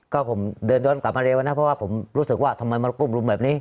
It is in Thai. ก็ผมเดินย้อนกลับมาเร็วนะเพราะว่าผมรู้สึกว่าทำไมมากลุ่มรุมแบบนี้